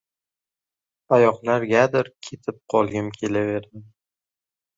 Qayoqlargadir ketib qolgim kelaveradi.